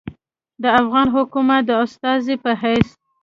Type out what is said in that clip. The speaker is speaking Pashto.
د افغان حکومت د استازي پۀ حېث